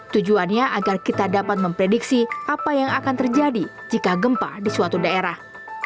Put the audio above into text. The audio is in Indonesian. tujuannya agar kita dapat memprediksi apa yang akan terjadi jika gempa di suatu daerah